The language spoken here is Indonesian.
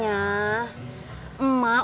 yang di mana